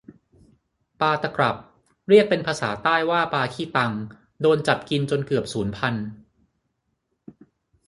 ปลาตะกรับ เรียกเป็นภาษาใต้ว่าปลาขี้ตัง โดนจับกินจนเกือบสูญพันธุ์